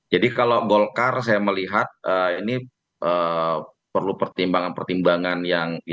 jadi kalau golkar saya melihat ini perlu pertimbangan pertimbangan yang mahal